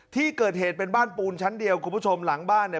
ที่เกิดเหตุเป็นบ้านปูนชั้นเดียวคุณผู้ชมหลังบ้านเนี่ย